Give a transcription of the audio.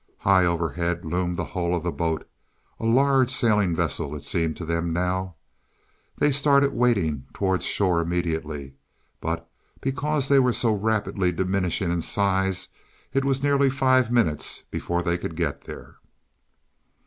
High overhead loomed the hull of the boat a large sailing vessel it seemed to them now. They started wading towards shore immediately, but, because they were so rapidly diminishing in size, it was nearly five minutes before they could get there.